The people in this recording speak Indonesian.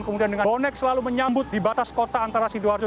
kemudian dengan bonek selalu menyambut di batas kota antara sidoarjo